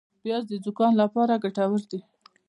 پیاز د زکام لپاره ګټور دي